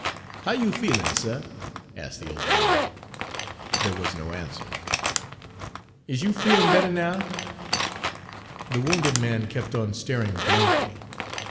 "How you feelin', suh?" asked the old woman. Page 142 There was no answer. "Is you feelin' bettah now?" The wounded man kept on staring blankly.